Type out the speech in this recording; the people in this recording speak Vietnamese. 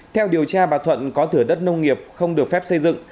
theo điều tra bà thuận có thửa đất nông nghiệp không được phép xây dựng